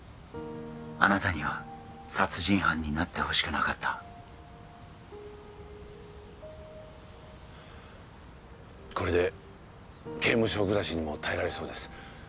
あなたには殺人犯になってほしくなかったこれで刑務所暮らしにも耐えられそうです